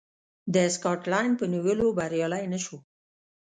د سکاټلنډ په نیولو بریالی نه شو.